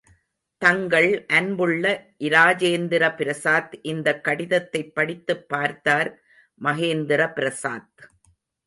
தங்கள் அன்புள்ள இராஜேந்திர பிரசாத் இந்தக் கடிதத்தைப் படித்துப் பார்த்தார் மகேந்திர பிரசாத்.